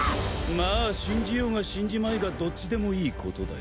まあ信じようが信じまいがどっちでもいいことだよ。